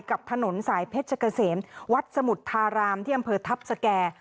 กับถนนสายเพชรเกษมวัดสมุทธารามที่อำเภอทัพสแก่